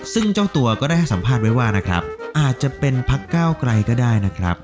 ซึ่งเจ้าตัวก็ได้ให้สัมภาษณ์ไว้ว่านะครับอาจจะเป็นพักเก้าไกลก็ได้นะครับ